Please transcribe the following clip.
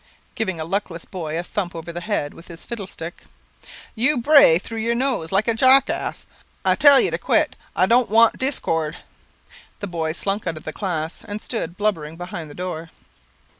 (giving a luckless boy a thump over the head with his fiddle stick). You bray through your nose like a jackass. I tell you to quit; I don't want discord." The boy slunk out of the class, and stood blubbering behind the door.